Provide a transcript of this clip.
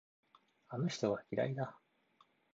あの人が嫌いだ。